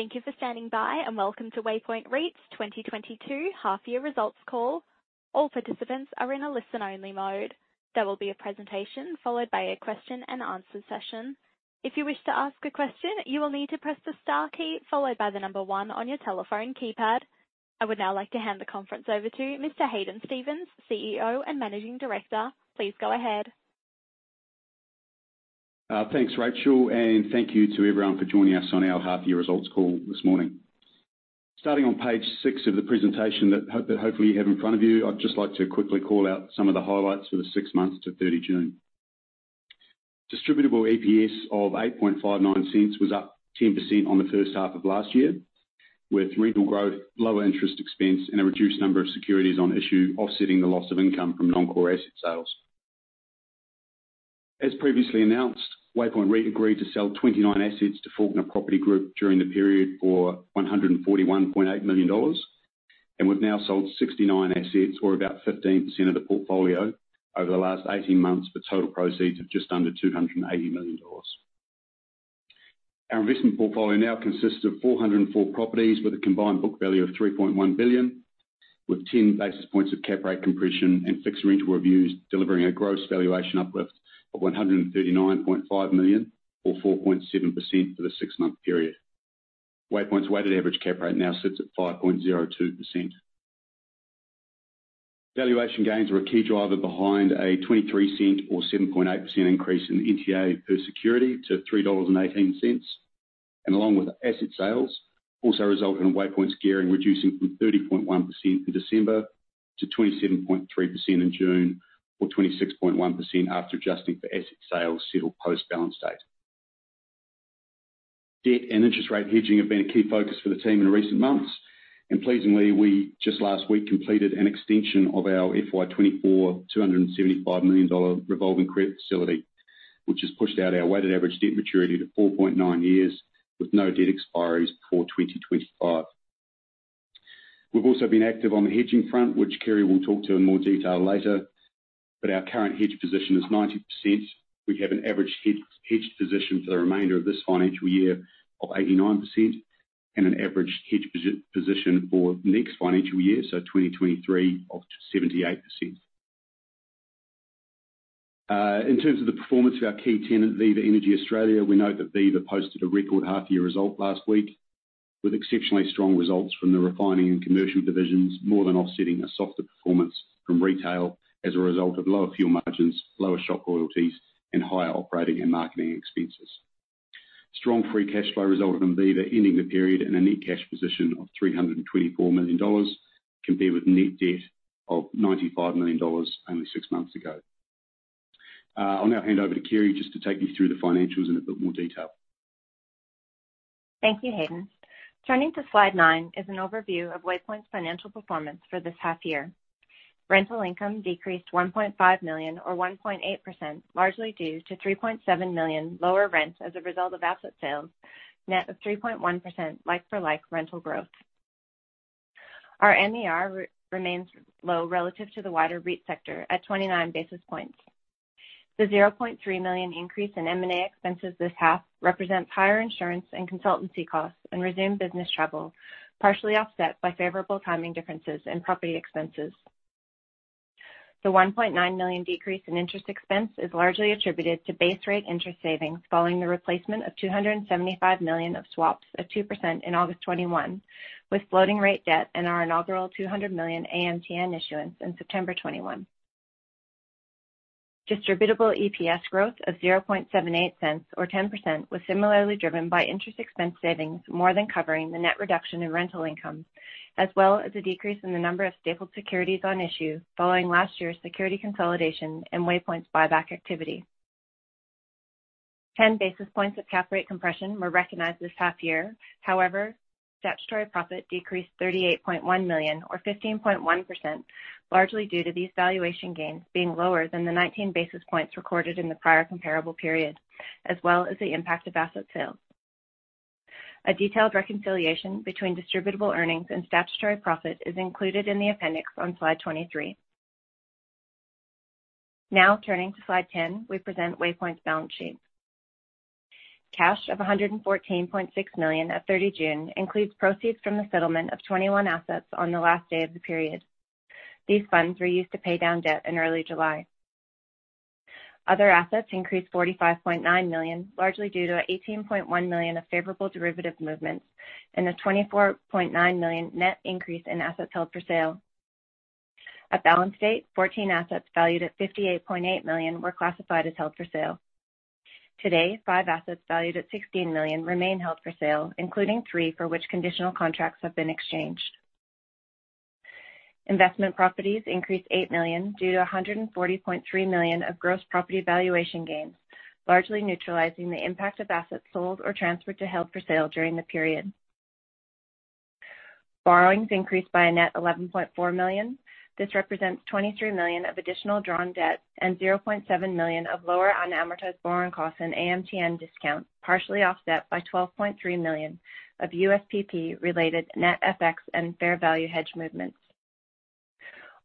Thank you for standing by, and welcome to Waypoint REIT's 2022 half-year results call. All participants are in a listen-only mode. There will be a presentation followed by a question-and-answer session. If you wish to ask a question, you will need to press the Star key followed by the number one on your telephone keypad. I would now like to hand the conference over to Mr. Hadyn Stephens, CEO and Managing Director. Please go ahead. Thanks, Rachel, and thank you to everyone for joining us on our half-year results call this morning. Starting on page six of the presentation that hopefully you have in front of you, I'd just like to quickly call out some of the highlights for the six months to 30 June. Distributable EPS of 0.0859 was up 10% on the first half of last year, with rental growth, lower interest expense, and a reduced number of securities on issue offsetting the loss of income from non-core asset sales. As previously announced, Waypoint REIT agreed to sell 29 assets to Fawkner Property Group during the period for 141.8 million dollars, and we've now sold 69 assets, or about 15% of the portfolio, over the last 18 months for total proceeds of just under 280 million dollars. Our investment portfolio now consists of 404 properties, with a combined book value of 3.1 billion, with 10 basis points of cap rate compression and fixed rental reviews delivering a gross valuation uplift of 139.5 million or 4.7% for the six-month period. Waypoint's weighted average cap rate now sits at 5.02%. Valuation gains were a key driver behind a 0.23 or 7.8% increase in the NTA per security to 3.18 dollars. Along with asset sales, also resulted in Waypoint's gearing reducing from 30.1% in December to 27.3% in June or 26.1% after adjusting for asset sales settled post balance date. Debt and interest rate hedging have been a key focus for the team in recent months, and pleasingly, we just last week completed an extension of our FY 2024 275 million dollar revolving credit facility, which has pushed out our weighted average debt maturity to 4.9 years with no debt expiries before 2025. We've also been active on the hedging front, which Kerry will talk to in more detail later, but our current hedge position is 90%. We have an average hedged position for the remainder of this financial year of 89% and an average hedged position for next financial year, so 2023, of 78%. In terms of the performance of our key tenant, Viva Energy Australia, we know that Viva posted a record half-year result last week, with exceptionally strong results from the refining and commercial divisions, more than offsetting a softer performance from retail as a result of lower fuel margins, lower shop royalties, and higher operating and marketing expenses. Strong free cash flow resulted in Viva ending the period in a net cash position of 324 million dollars, compared with net debt of 95 million dollars only six months ago. I'll now hand over to Kerri just to take you through the financials in a bit more detail. Thank you, Hadyn. Turning to slide nine is an overview of Waypoint's financial performance for this half year. Rental income decreased 1.5 million or 1.8%, largely due to 3.7 million lower rent as a result of asset sales, net of 3.1% like-for-like rental growth. Our MER remains low relative to the wider REIT sector at 29 basis points. The 0.3 million increase in M&A expenses this half represents higher insurance and consultancy costs and resumed business travel, partially offset by favorable timing differences and property expenses. The 1.9 million decrease in interest expense is largely attributed to base rate interest savings following the replacement of 275 million of swaps of 2% in August 2021, with floating rate debt and our inaugural 200 million AMTN issuance in September 2021. Distributable EPS growth of 0.0078 or 10% was similarly driven by interest expense savings, more than covering the net reduction in rental income, as well as a decrease in the number of stapled securities on issue following last year's security consolidation and Waypoint's buyback activity. 10 basis points of cap rate compression were recognized this half year. However, statutory profit decreased 38.1 million or 15.1%, largely due to these valuation gains being lower than the 19 basis points recorded in the prior comparable period, as well as the impact of asset sales. A detailed reconciliation between distributable earnings and statutory profit is included in the appendix on slide 23. Now, turning to slide 10, we present Waypoint's balance sheet. Cash of 114.6 million at 30 June includes proceeds from the settlement of 21 assets on the last day of the period. These funds were used to pay down debt in early July. Other assets increased 45.9 million, largely due to 18.1 million of favorable derivative movements and a 24.9 million net increase in assets held for sale. At balance date, 14 assets valued at 58.8 million were classified as held for sale. Today, five assets valued at 16 million remain held for sale, including three for which conditional contracts have been exchanged. Investment properties increased 8 million due to 140.3 million of gross property valuation gains, largely neutralizing the impact of assets sold or transferred to held for sale during the period. Borrowings increased by a net 11.4 million. This represents 23 million of additional drawn debt and 0.7 million of lower unamortized borrowing costs and AMTN discount, partially offset by 12.3 million of USPP-related net FX and fair value hedge movements.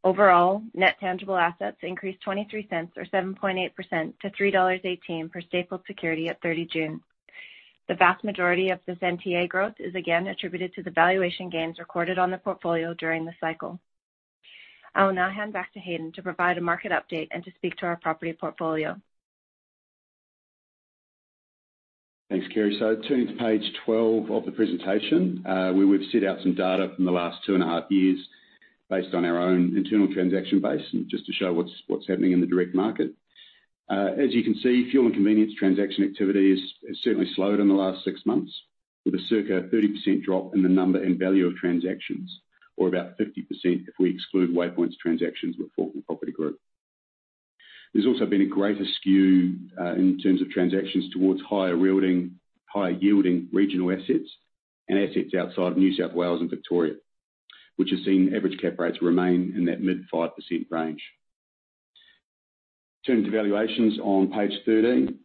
Overall, net tangible assets increased 0.23 or 7.8% to 3.18 dollars per stapled security at thirty June. The vast majority of this NTA growth is again attributed to the valuation gains recorded on the portfolio during the cycle. I will now hand back to Hadyn to provide a market update and to speak to our property portfolio. Thanks, Kerri. Turning to page 12 of the presentation, where we've set out some data from the last two and a half years based on our own internal transaction base, and just to show what's happening in the direct market. As you can see, fuel and convenience transaction activity has certainly slowed in the last six months with a circa 30% drop in the number and value of transactions, or about 50% if we exclude Waypoint's transactions with Fawkner Property Group. There's also been a greater skew in terms of transactions towards higher yielding regional assets and assets outside of New South Wales and Victoria, which has seen average cap rates remain in that mid-5% range. Turning to valuations on page 13.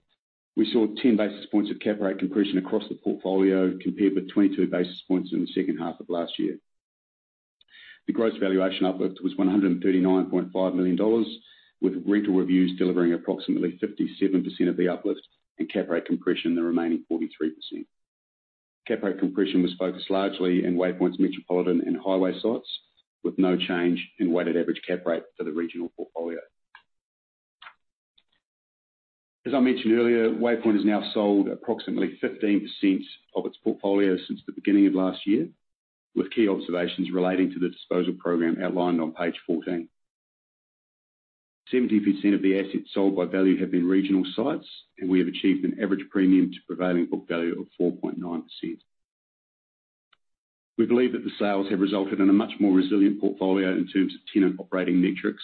We saw 10 basis points of cap rate compression across the portfolio, compared with 22 basis points in the second half of last year. The gross valuation uplift was 139.5 million dollars, with retail reviews delivering approximately 57% of the uplift and cap rate compression the remaining 43%. Cap rate compression was focused largely in Waypoint's metropolitan and highway sites, with no change in weighted average cap rate for the regional portfolio. As I mentioned earlier, Waypoint has now sold approximately 15% of its portfolio since the beginning of last year, with key observations relating to the disposal program outlined on page 14. 70% of the assets sold by value have been regional sites, and we have achieved an average premium to prevailing book value of 4.9%. We believe that the sales have resulted in a much more resilient portfolio in terms of tenant operating metrics,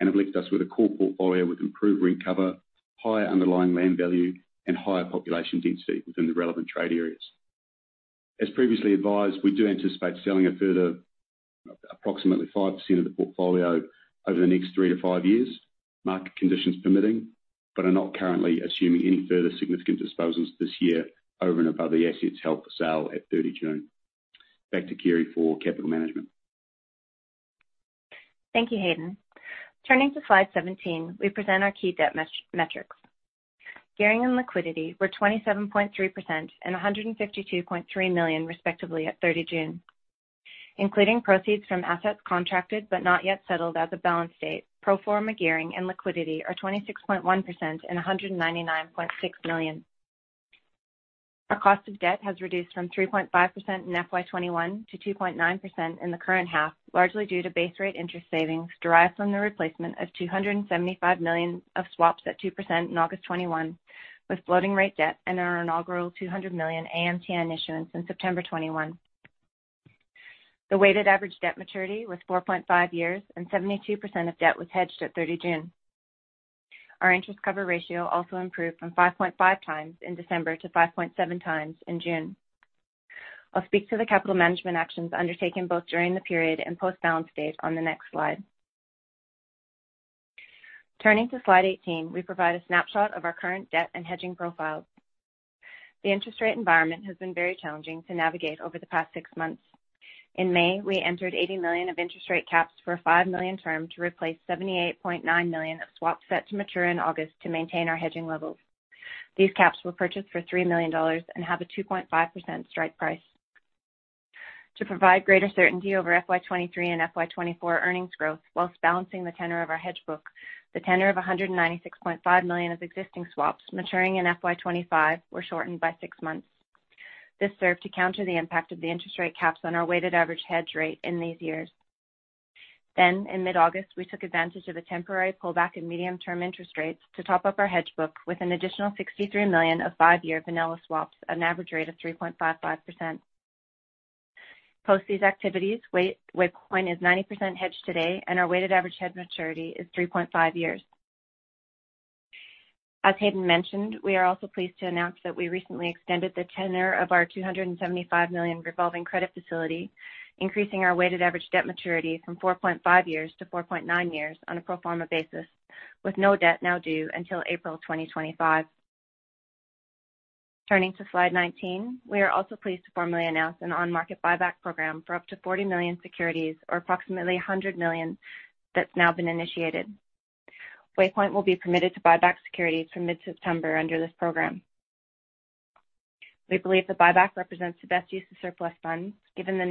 and have left us with a core portfolio with improved recovery, higher underlying land value, and higher population density within the relevant trade areas. As previously advised, we do anticipate selling a further approximately 5% of the portfolio over the next three to five years, market conditions permitting, but are not currently assuming any further significant disposals this year over and above the assets held for sale at 30 June. Back to Kerri for capital management. Thank you, Hadyn. Turning to slide 17, we present our key debt metrics. Gearing and liquidity were 27.3% and 152.3 million, respectively, at 30 June. Including proceeds from assets contracted but not yet settled as at balance date, pro forma gearing and liquidity are 26.1% and 199.6 million. Our cost of debt has reduced from 3.5% in FY 2021 to 2.9% in the current half, largely due to base rate interest savings derived from the replacement of 275 million of swaps at 2% in August 2021, with floating rate debt and our inaugural 200 million AMTN issuance in September 2021. The weighted average debt maturity was 4.5 years, and 72% of debt was hedged at 30 June. Our interest cover ratio also improved from 5.5x in December to 5.7x in June. I'll speak to the capital management actions undertaken both during the period and post-balance date on the next slide. Turning to slide 18, we provide a snapshot of our current debt and hedging profiles. The interest rate environment has been very challenging to navigate over the past six months. In May, we entered 80 million of interest rate caps for a five-year term to replace 78.9 million of swaps set to mature in August to maintain our hedging levels. These caps were purchased for 3 million dollars and have a 2.5% strike price. To provide greater certainty over FY 2023 and FY 2024 earnings growth while balancing the tenor of our hedge book, the tenor of 196.5 million of existing swaps maturing in FY 2025 were shortened by six months. This served to counter the impact of the interest rate caps on our weighted average hedge rate in these years. In mid-August, we took advantage of a temporary pullback in medium-term interest rates to top up our hedge book with an additional 63 million of five-year vanilla swaps, an average rate of 3.55%. Post these activities, Waypoint is 90% hedged today, and our weighted average hedge maturity is 3.5 years. As Hadyn mentioned, we are also pleased to announce that we recently extended the tenor of our 275 million revolving credit facility, increasing our weighted average debt maturity from 4.5 years to 4.9 years on a Pro Forma basis, with no debt now due until April 2025. Turning to slide 19. We are also pleased to formally announce an on-market buyback program for up to 40 million securities or approximately 100 million that's now been initiated. Waypoint will be permitted to buy back securities from mid-September under this program. We believe the buyback represents the best use of surplus funds, given the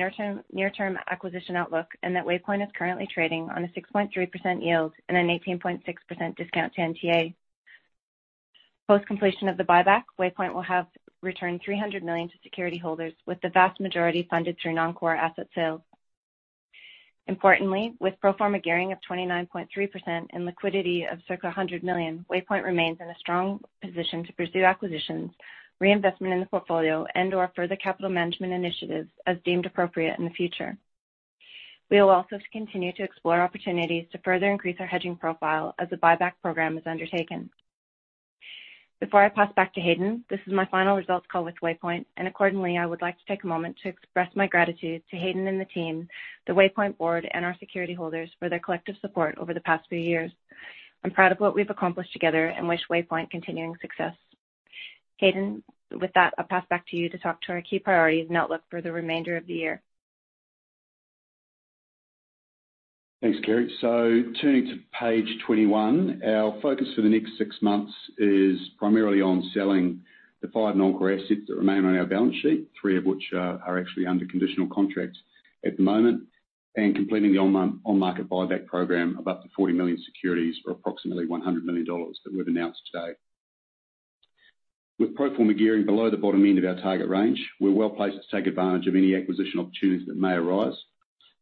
near-term acquisition outlook, and that Waypoint is currently trading on a 6.3% yield and an 18.6% discount to NTA. Post-completion of the buyback, Waypoint will have returned 300 million to security holders, with the vast majority funded through non-core asset sales. Importantly, with pro forma gearing of 29.3% and liquidity of circa 100 million, Waypoint remains in a strong position to pursue acquisitions, reinvestment in the portfolio, and/or further capital management initiatives as deemed appropriate in the future. We will also continue to explore opportunities to further increase our hedging profile as the buyback program is undertaken. Before I pass back to Hadyn, this is my final results call with Waypoint, and accordingly, I would like to take a moment to express my gratitude to Hadyn and the team, the Waypoint board, and our security holders for their collective support over the past few years. I'm proud of what we've accomplished together and wish Waypoint continuing success. Hadyn, with that, I'll pass back to you to talk to our key priorities and outlook for the remainder of the year. Thanks, Kerri. Turning to page 21, our focus for the next six months is primarily on selling the five non-core assets that remain on our balance sheet, three of which are actually under conditional contracts at the moment, and completing the on-market buyback program of up to 40 million securities for approximately 100 million dollars that we've announced today. With pro forma gearing below the bottom end of our target range, we're well-placed to take advantage of any acquisition opportunities that may arise,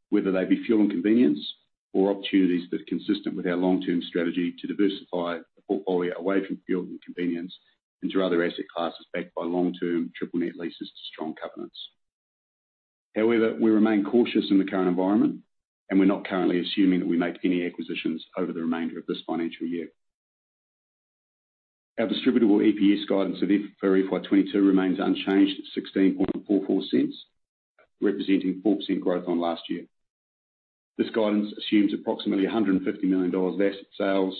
whether they be fuel and convenience or opportunities that are consistent with our long-term strategy to diversify the portfolio away from fuel and convenience into other asset classes backed by long-term triple net leases to strong covenants. However, we remain cautious in the current environment, and we're not currently assuming that we make any acquisitions over the remainder of this financial year. Our Distributable EPS guidance for FY 2022 remains unchanged at 0.1644, representing 4% growth on last year. This guidance assumes approximately 150 million dollars of asset sales,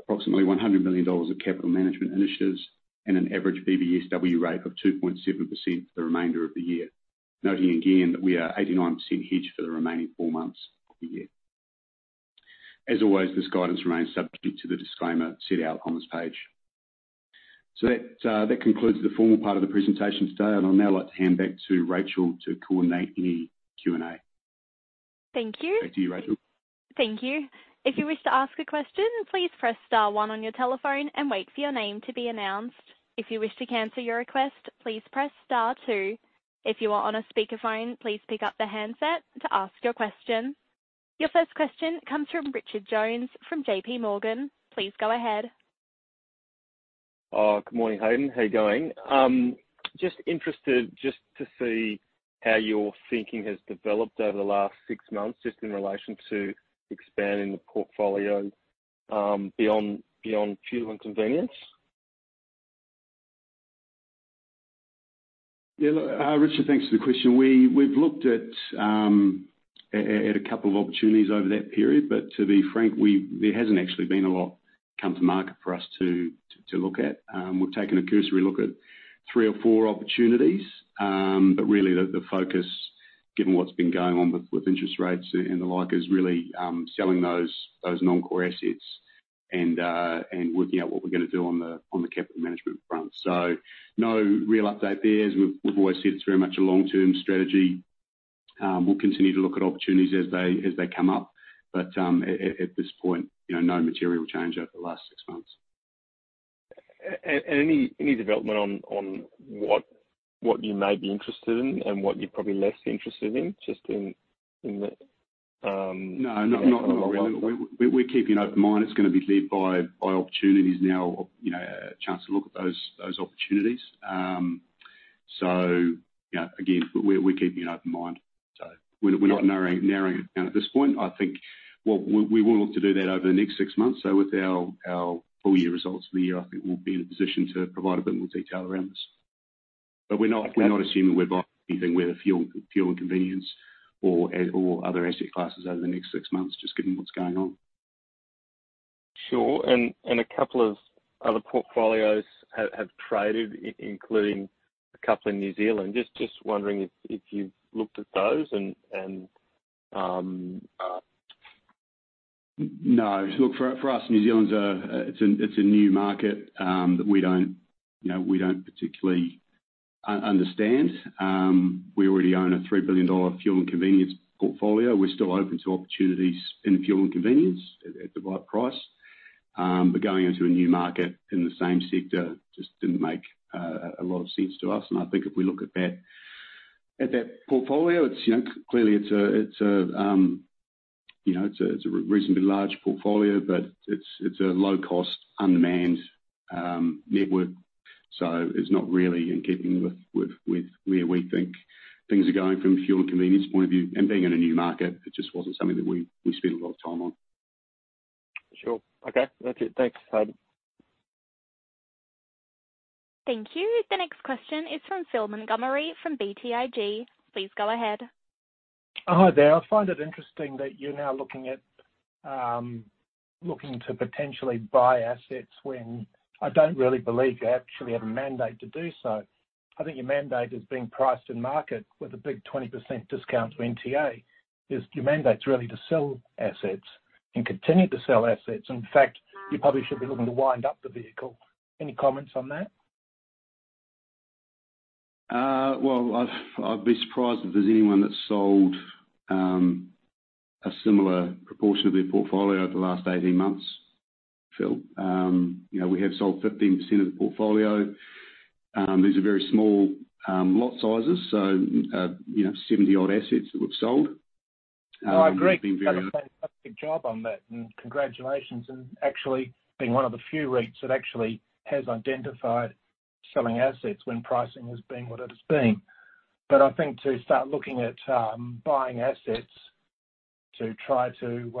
approximately 100 million dollars of capital management initiatives, and an average BBSW rate of 2.7% for the remainder of the year. Noting again that we are 89% hedged for the remaining four months of the year. As always, this guidance remains subject to the disclaimer set out on this page. That concludes the formal part of the presentation today, and I'd now like to hand back to Rachel to coordinate any Q&A. Thank you. Back to you, Rachel. Thank you. If you wish to ask a question, please press star one on your telephone and wait for your name to be announced. If you wish to cancel your request, please press star two. If you are on a speakerphone, please pick up the handset to ask your question. Your first question comes from Richard Jones from JPMorgan. Please go ahead. Good morning, Hadyn. How you going? Just interested just to see how your thinking has developed over the last six months just in relation to expanding the portfolio, beyond fuel and convenience. Yeah, look, Richard, thanks for the question. We've looked at a couple of opportunities over that period, but to be frank, there hasn't actually been a lot come to market for us to look at. We've taken a cursory look at three or four opportunities, but really the focus, given what's been going on with interest rates and the like, is really selling those non-core assets and working out what we're gonna do on the capital management front. So no real update there. As we've always said, it's very much a long-term strategy. We'll continue to look at opportunities as they come up, but at this point, you know, no material change over the last six months. Any development on what you may be interested in and what you're probably less interested in, just in the No, not really. We're keeping an open mind. It's gonna be led by opportunities now, you know, a chance to look at those opportunities. Yeah, again, we're keeping an open mind. We're not narrowing it down at this point. I think we will look to do that over the next six months. With our full year results for the year, I think we'll be in a position to provide a bit more detail around this. We're not assuming that we're buying anything with fuel and convenience or other asset classes over the next six months, just given what's going on. Sure. A couple of other portfolios have traded, including a couple in New Zealand. Just wondering if you've looked at those and. No. Look, for us, New Zealand's a new market that we don't, you know, we don't particularly understand. We already own a 3 billion dollar fuel and convenience portfolio. We're still open to opportunities in the fuel and convenience at the right price. But going into a new market in the same sector just didn't make a lot of sense to us. I think if we look at that portfolio, you know, clearly it's a reasonably large portfolio, but it's a low cost, unmanned network. It's not really in keeping with where we think things are going from a fuel and convenience point of view. Being in a new market, it just wasn't something that we spent a lot of time on. Sure. Okay. That's it. Thanks, Hadyn. Thank you. The next question is from Phil Montgomerie from BTIG. Please go ahead. Hi there. I find it interesting that you're now looking to potentially buy assets when I don't really believe you actually have a mandate to do so. I think your mandate is being priced in market with a big 20% discount to NTA. Is your mandate's really to sell assets and continue to sell assets. In fact, you probably should be looking to wind up the vehicle. Any comments on that? Well, I'd be surprised if there's anyone that's sold a similar proportion of their portfolio over the last eighteen months, Phil. You know, we have sold 15% of the portfolio. These are very small lot sizes, so you know, 70-odd assets that we've sold. I agree. You've done a fantastic job on that, and congratulations. Actually being one of the few REITs that actually has identified selling assets when pricing has been what it has been. I think to start looking at buying assets to try to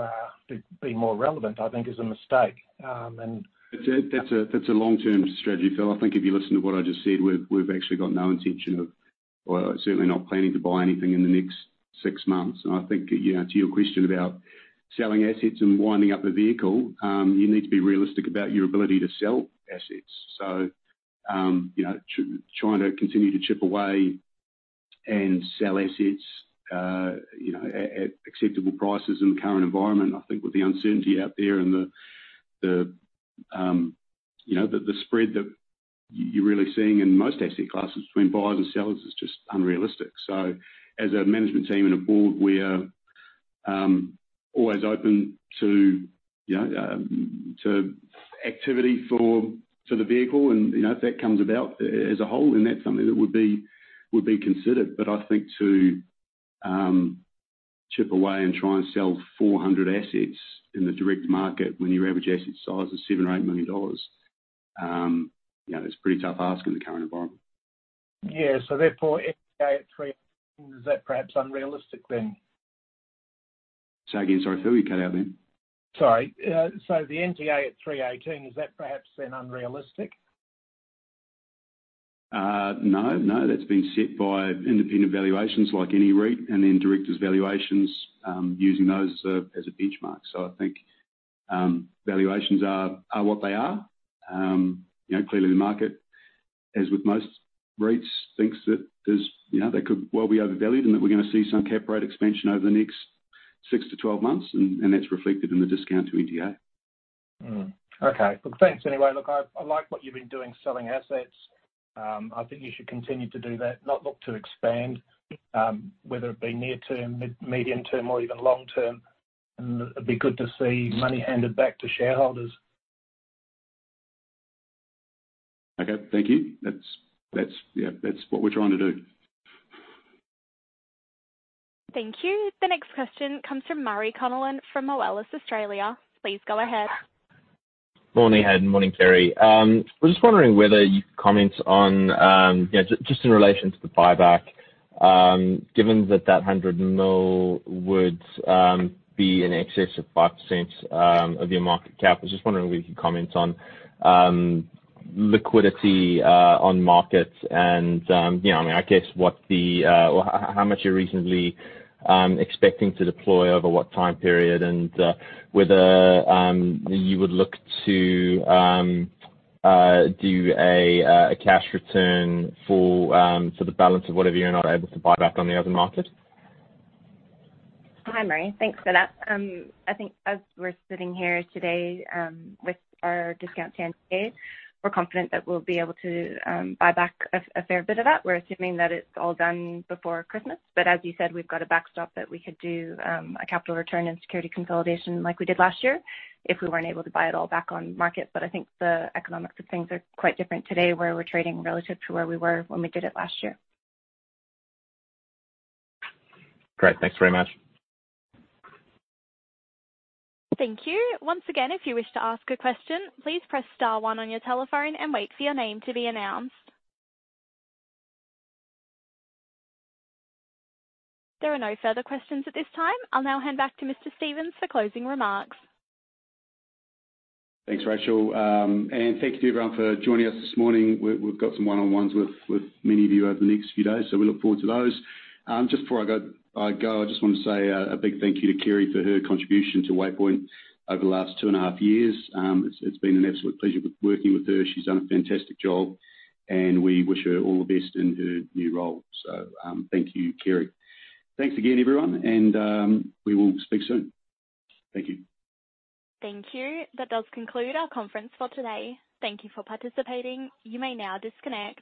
be more relevant, I think is a mistake. That's a long-term strategy, Phil. I think if you listen to what I just said, we've actually got no intention of. Well, certainly not planning to buy anything in the next six months. I think, you know, to your question about selling assets and winding up the vehicle, you need to be realistic about your ability to sell assets. You know, trying to continue to chip away and sell assets, you know, at acceptable prices in the current environment, I think with the uncertainty out there and the spread that you're really seeing in most asset classes between buyers and sellers is just unrealistic. As a management team and a board, we are always open to, you know, to activity for the vehicle and, you know, if that comes about as a whole, and that's something that would be considered. I think to chip away and try and sell 400 assets in the direct market when your average asset size is 7 million or 8 million dollars, you know, it's a pretty tough ask in the current environment. Yeah. Therefore NTA at 3 is that perhaps unrealistic then? Say again, sorry, Phil, you cut out then. Sorry. The NTA at 3.18, is that perhaps then unrealistic? No, no, that's been set by independent valuations like any REIT and then directors valuations, using those, as a benchmark. I think valuations are what they are. You know, clearly the market, as with most REITs, thinks that there's, you know, they could well be overvalued and that we're gonna see some cap rate expansion over the next six to 12 months, and that's reflected in the discount to NTA. Okay. Look, thanks anyway. Look, I like what you've been doing selling assets. I think you should continue to do that, not look to expand, whether it be near term, medium term or even long term. It'd be good to see money handed back to shareholders. Okay. Thank you. That's what we're trying to do. Thank you. The next question comes from Murray Connellan from Moelis Australia. Please go ahead. Morning, Hadyn. Morning, Kerri. Was just wondering whether you'd comment on, you know, just in relation to the buyback, given that 100 million would be in excess of 5% of your market cap. I was just wondering whether you could comment on liquidity on markets and, you know, I mean, I guess how much you're reasonably expecting to deploy over what time period and whether you would look to do a cash return for so the balance of whatever you're not able to buy back on the open market. Hi, Murray. Thanks for that. I think as we're sitting here today, with our discount to NTA, we're confident that we'll be able to buy back a fair bit of that. We're assuming that it's all done before Christmas. As you said, we've got a backstop that we could do a capital return and security consolidation like we did last year if we weren't able to buy it all back on market. I think the economics of things are quite different today, where we're trading relative to where we were when we did it last year. Great. Thanks very much. Thank you. Once again, if you wish to ask a question, please press star one on your telephone and wait for your name to be announced. There are no further questions at this time. I'll now hand back to Mr. Stephens for closing remarks. Thanks, Rachel. Thank you to everyone for joining us this morning. We've got some one-on-ones with many of you over the next few days, so we look forward to those. Just before I go, I just want to say a big thank you to Kerri for her contribution to Waypoint over the last two and a half years. It's been an absolute pleasure with working with her. She's done a fantastic job, and we wish her all the best in her new role. Thank you, Kerri. Thanks again, everyone, and we will speak soon. Thank you. Thank you. That does conclude our conference for today. Thank you for participating. You may now disconnect.